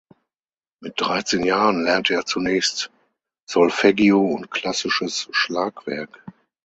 Mit dreizehn Jahren lernte er zunächst Solfeggio und klassisches Schlagwerk.